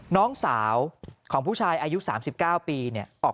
น้องสาวของผู้ชายอายุ๓๙ปีเนี่ยออก